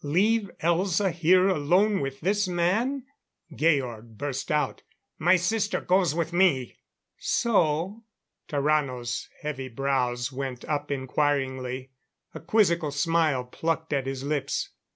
Leave Elza here alone with this man? Georg burst out: "My sister goes with me!" "So?" Tarrano's heavy brows went up inquiringly. A quizzical smile plucked at his lips.